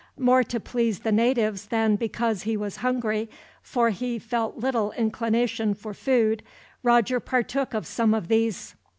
More to please the natives than because he was hungry, for he felt little inclination for food, Roger partook of some of these.